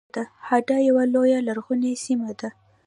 هډه یوه لویه لرغونې سیمه ده